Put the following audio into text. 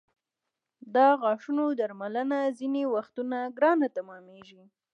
د غاښونو درملنه ځینې وختونه ګرانه تمامېږي.